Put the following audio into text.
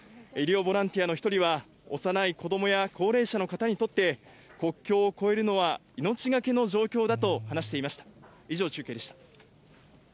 医療ボランティアの一人は、幼い子どもや高齢者の方にとって、国境を越えるのは命懸けの状況だと話していました。